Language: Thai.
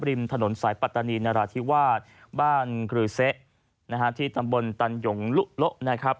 ริมถนนสายปัตตานีนราธิวาสบ้านกรือเสะนะฮะที่ตำบลตันหยงลุโละนะครับ